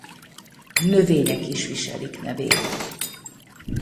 Növények is viselik nevét.